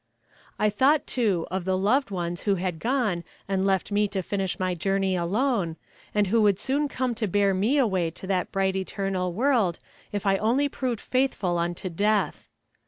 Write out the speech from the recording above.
I thought, too, of the loved ones who had gone and left me to finish my journey alone, and who would soon come to bear me away to that bright eternal world, if I only proved faithful unto death.